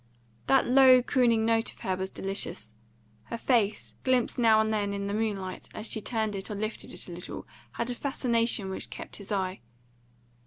That low, crooning note of hers was delicious; her face, glimpsed now and then in the moonlight as she turned it or lifted it a little, had a fascination which kept his eye.